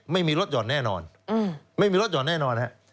ไม่มีลดหย่อนแน่นอน